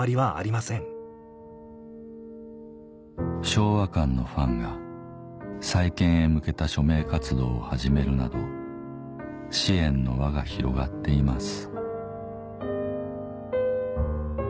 昭和館のファンが再建へ向けた署名活動を始めるなど支援の輪が広がっています